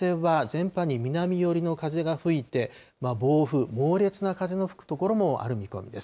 お昼ごろの風は全般に南寄りの風が吹いて、暴風、猛烈な風の吹く所もある見込みです。